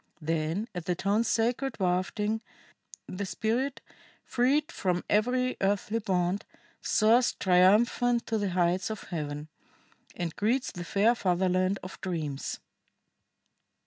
Then, at the tones' sacred wafting, the spirit, freed from every earthly bond, soars triumphant to the heights of Heaven, and greets the fair fatherland of dreams."